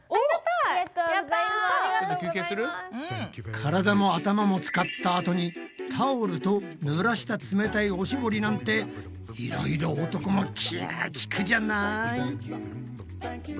体も頭も使ったあとにタオルとぬらした冷たいおしぼりなんてイライラ男も気が利くじゃない！